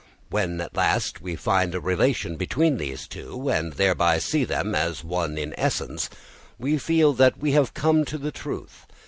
When at last we find a relation between these two, and thereby see them as one in essence, we feel that we have come to the truth.